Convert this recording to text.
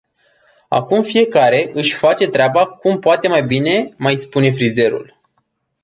Acum fiecare, își face treaba cum poate mai bine mai spune frizerul.